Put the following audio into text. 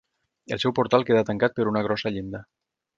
El seu portal queda tancat per una grossa llinda.